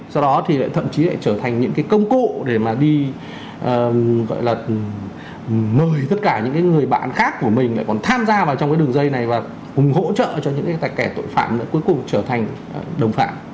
sau đó thì lại thậm chí lại trở thành những cái công cụ để mà đi gọi là mời tất cả những người bạn khác của mình lại còn tham gia vào trong cái đường dây này và cùng hỗ trợ cho những cái thạch kẻ tội phạm đã cuối cùng trở thành đồng phạm